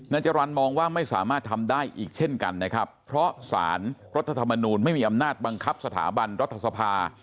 จรรย์มองว่าไม่สามารถทำได้อีกเช่นกันนะครับเพราะสารรัฐธรรมนูลไม่มีอำนาจบังคับสถาบันรัฐสภา